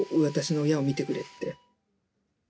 私の親を診てくれって。